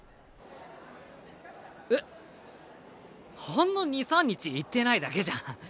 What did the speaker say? ほんの２３日行ってないだけじゃん。